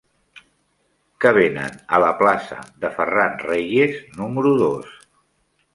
Què venen a la plaça de Ferran Reyes número dos?